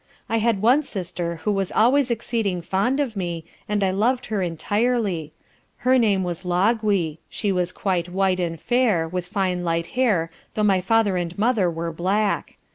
I had one sister who was always exceeding fond of me, and I loved her entirely; her name was Logwy, she was quite white, and fair, with fine light hair though my father and mother were black.